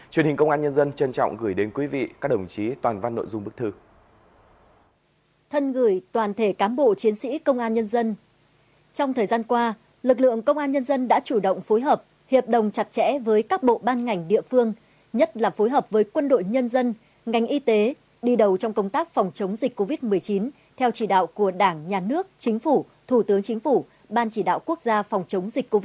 chuyên hình công an nhân dân trân trọng gửi đến quý vị các đồng chí toàn văn nội dung bức thư